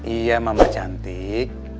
iya mama cantik